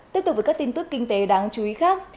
tiếp tục với các tin tức kinh tế đáng chú ý khác